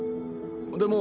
でも。